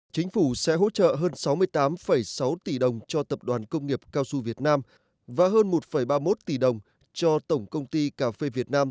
chính phủ sẽ hỗ trợ hơn sáu mươi tám sáu tỷ đồng cho tập đoàn công nghiệp cao su việt nam và hơn một ba mươi một tỷ đồng cho tổng công ty cà phê việt nam